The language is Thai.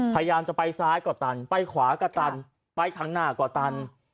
พยายามจะไปซ้ายกว่าตันไปขวาก็ตันไปข้างหน้ากว่าตัน